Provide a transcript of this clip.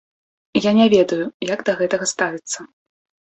Я не ведаю, як да гэтага ставіцца.